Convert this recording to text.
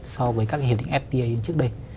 so với các hiệp định fta như trước đây